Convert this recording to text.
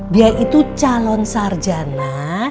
dia itu calon sarjana